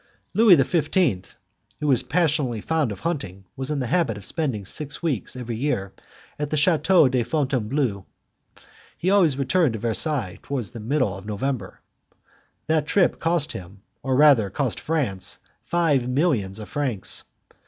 Louis XV., who was passionately fond of hunting, was in the habit of spending six weeks every year at the Chateau of Fontainebleau. He always returned to Versailles towards the middle of November. That trip cost him, or rather cost France, five millions of francs.